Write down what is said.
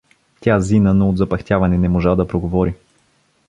Тя зина, но от запъхтяване не можа да проговори.